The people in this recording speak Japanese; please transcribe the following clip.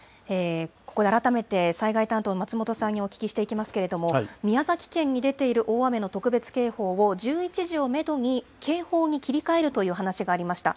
ここで改めて災害担当の松本さんにお聞きしていきますけれども、宮崎県に出ている大雨の特別警報を１１時をメドに警報に切り替えるという話がありました。